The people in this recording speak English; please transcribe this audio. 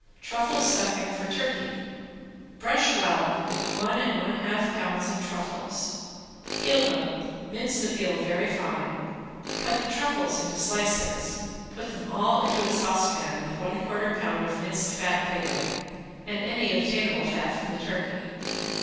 ~TRUFFLE STUFFING FOR TURKEY~ Brush well one and one half pounds of truffles, peel them, mince the peel very fine, cut the truffles into slices, put them all into a saucepan with one quarter pound of minced fat bacon and any obtainable fat from the turkey.